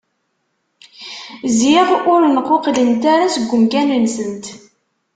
Ziɣ ur nquqlent ara seg umkan-nsent.